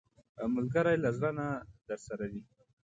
ملګری له زړه نه درسره وي